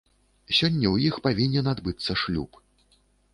Сёння ў іх павінен адбыцца шлюб.